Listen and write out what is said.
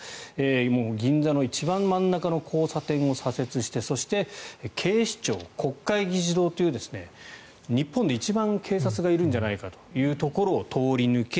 もう銀座の一番真ん中の交差点を左折してそして警視庁、国会議事堂という日本で一番警察がいるんじゃないかというところを通り抜け